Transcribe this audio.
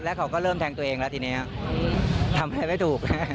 แล้วเขาก็เริ่มแทงตัวเองแล้วทีนี้ทำอะไรไม่ถูก